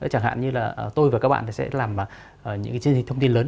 chẳng hạn như là tôi và các bạn thì sẽ làm những cái chiến dịch thông tin lớn